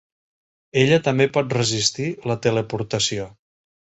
Ella també pot resistir la teleportació.